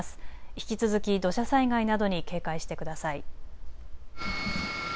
引き続き土砂災害などに警戒してください。